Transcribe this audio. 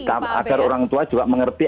agar orang tua juga mengerti